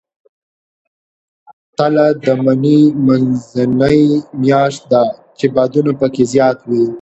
تله د مني منځنۍ میاشت ده، چې بادونه پکې زیات وي.